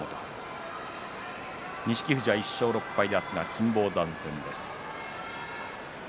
富士は１勝６敗明日は金峰山戦です。